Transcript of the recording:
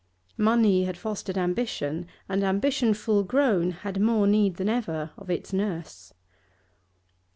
Money had fostered ambition, and ambition full grown had more need than ever of its nurse.